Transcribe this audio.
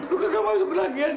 kau kagak masuk lagi ya